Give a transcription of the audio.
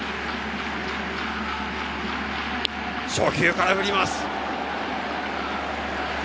初球から振ります。